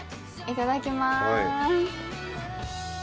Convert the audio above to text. いただきます。